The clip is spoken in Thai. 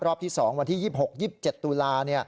รอบที่๒วันที่๒๖๒๗ตุลา